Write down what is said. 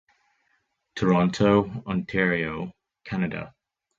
Toronto, Ontario, Canada.